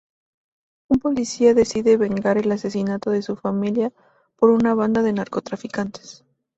Un policía decide vengar el asesinato de su familia por una banda de narcotraficantes.